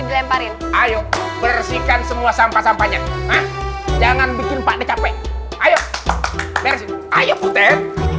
dilemparin ayo bersihkan semua sampah sampahnya jangan bikin pakde capek ayo ayo puter